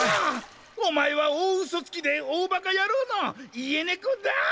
お前は大ウソつきで大バカ野郎の家猫だ！